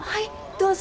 どうぞ。